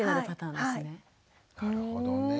なるほどね。